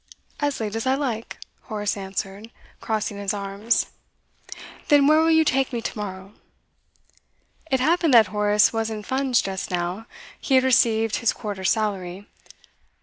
'As late as I like,' Horace answered, crossing his arms. 'Then where will you take me to morrow?' It happened that Horace was in funds just now; he had received his quarter's salary.